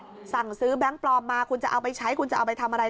คุณสั่งซื้อแบงค์ปลอมมาคุณจะเอาไปใช้คุณจะเอาไปทำอะไร